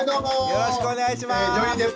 よろしくお願いします。